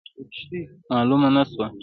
معلومه نه سوه.